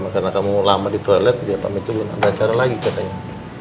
karena kamu lama di toilet dia pamit dulu nanti acara lagi katanya